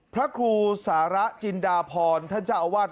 พระครูสาระจินดาพรท่านเจ้าอาวาส